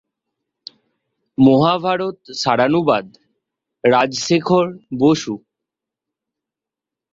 মহাভারত সারানুবাদ, রাজশেখর বসু।